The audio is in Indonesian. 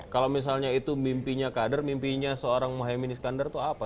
kalau misalnya itu mimpinya kader mimpinya seorang mohaimin iskandar itu apa